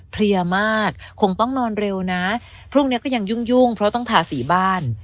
เพลียมากคงต้องนอนเร็วนะพรุ่งนี้ก็ยังยุ่งเพราะต้องทาสีบ้าน